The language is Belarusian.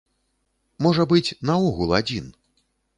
Можа быць, наогул адзін.